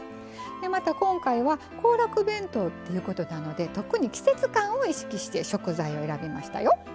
また今回は行楽弁当ということなので特に季節感を意識して食材を選びましたよ。